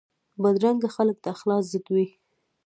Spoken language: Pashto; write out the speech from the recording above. بدرنګه خلک د اخلاص ضد وي